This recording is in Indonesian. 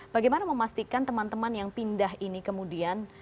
bagaimana memastikan teman teman yang pindah ini kemudian